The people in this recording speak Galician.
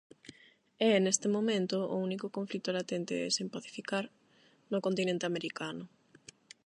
É, neste momento, o único conflito latente e sen pacificar no continente americano.